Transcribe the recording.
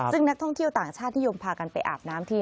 ซึ่งนักท่องเที่ยวต่างชาตินิยมพากันไปอาบน้ำที่